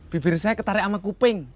bibir saya ketarik sama kuping